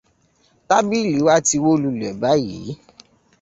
Tábìlì wa ti wó lulẹ̀ báyìí.